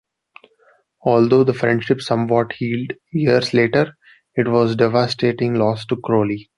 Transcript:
Although the friendship somewhat healed years later, it was a devastating loss to Croly.